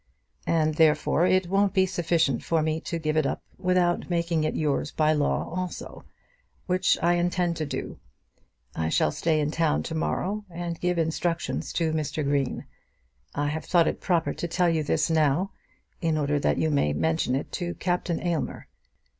"And therefore it won't be sufficient for me to give it up without making it yours by law also, which I intend to do. I shall stay in town to morrow and give instructions to Mr. Green. I have thought it proper to tell you this now, in order that you may mention it to Captain Aylmer."